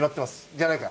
じゃないか。